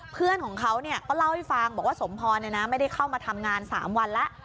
เพื่อนของเขาก็เล่าให้ฟังบอกว่าสมพรไม่ได้เข้ามาทำงาน๓วันแล้ว